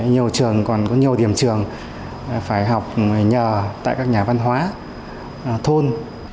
nhiều trường còn có nhiều điểm trường phải học nhờ tại các nhà văn hóa thôn